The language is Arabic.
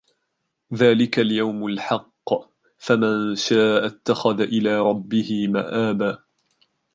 ذَلِكَ الْيَوْمُ الْحَقُّ فَمَنْ شَاءَ اتَّخَذَ إِلَى رَبِّهِ مَآبًا